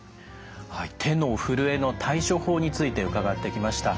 手のふるえの対処法について伺ってきました。